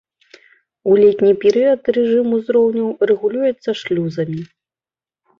У летні перыяд рэжым узроўняў рэгулюецца шлюзамі.